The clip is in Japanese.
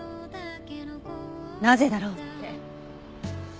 なぜだろうって。